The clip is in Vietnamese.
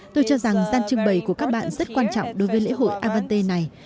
tôi cho rằng gian trưng bày của các bạn rất quan trọng đối với lễ hội avante này